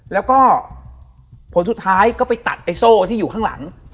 แล้วก็ผลสุดท้ายก็ไปตัดไอ้โซ่ที่อยู่ข้างหลัง